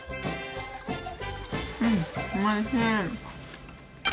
うんおいしい。